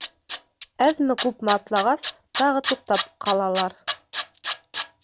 Әҙме-күпме атлағас, тағы туҡтап ҡалалар.